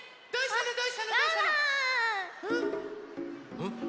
うん？